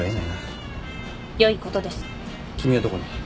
君はどこに？